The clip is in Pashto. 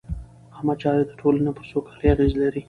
عامه چارې د ټولنې پر سوکالۍ اغېز لري.